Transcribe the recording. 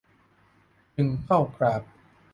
จึงเข้ากราบ